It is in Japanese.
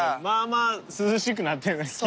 まあまあ涼しくなったよね